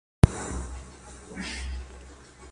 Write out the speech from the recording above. د افغانستان په جغرافیه کې ځمکه خورا ستر اهمیت لري.